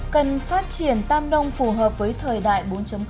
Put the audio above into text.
cần phát triển tam nông phù hợp với thời đại bốn